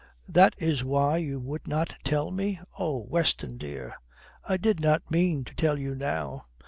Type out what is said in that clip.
"That is why you would not tell me? Oh, Weston, dear!" "I did not mean to tell you now.